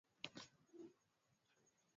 Uturuki ni watu milioni sabini na tatu